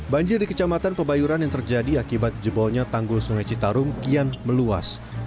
banjir di kecamatan pebayuran yang terjadi akibat jebolnya tanggul sungai citarum kian meluas